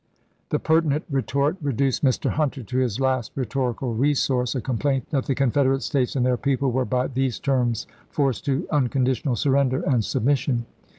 " The pertinent retort reduced Mr. Hunter to his last rhetorical resource — a complaint that the THE HAMPTON ROADS CONFERENCE 127 Confederate States and their people were by chap.vi. these terms forced to unconditional surrender and submission.